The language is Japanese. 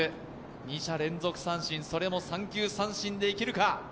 二者連続三振、それも三球三振でいけるか。